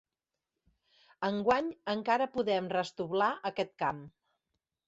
Enguany encara podem restoblar aquest camp.